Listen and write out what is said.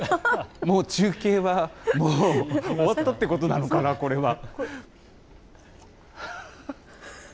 もう中継は、もう終わったということなのかな、これは。